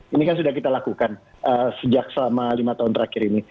ini kan sudah kita lakukan sejak selama lima tahun terakhir ini